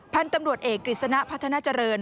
พันธุ์ตำรวจเอกกฤษณะพัฒนาเจริญ